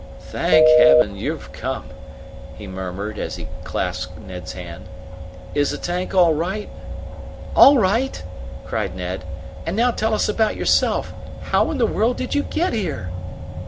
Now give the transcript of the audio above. "Thank Heaven, you've come!" he murmured, as he clasped Ned's hand. "Is the tank all right?" "All right!" cried Ned. "And now tell us about yourself. How in the world did you get here?"